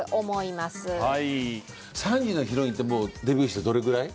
３時のヒロインってもうデビューしてどれぐらい？